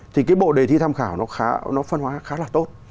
thì cái bộ đề thi tham khảo nó phân hóa khá là tốt